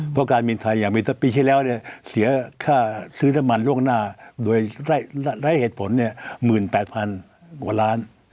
เพราะการบินไทยอย่างปีที่แล้วเสียค่าซื้อน้ำมันล่วงหน้าโดยได้เหตุผล๑๘๐๐๐กว่าล้าน